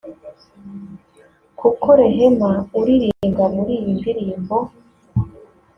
kuko Rehema uririmbwa muri iyi ndirimbo